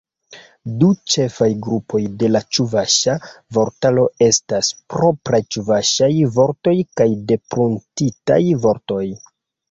Du ĉefaj grupoj de la ĉuvaŝa vortaro estas: propraj ĉuvaŝaj vortoj kaj depruntitaj vortoj.